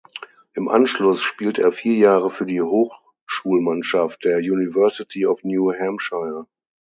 Im Anschluss spielte er vier Jahre für die Hochschulmannschaft der University of New Hampshire.